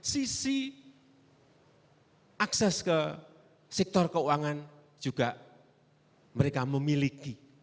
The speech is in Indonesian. sisi akses ke sektor keuangan juga mereka memiliki